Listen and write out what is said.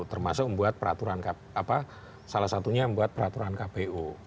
termasuk membuat peraturan salah satunya membuat peraturan kpu